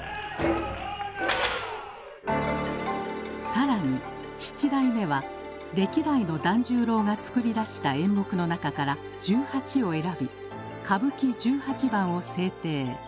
更に七代目は歴代の團十郎が作り出した演目の中から十八を選び歌舞伎十八番を制定。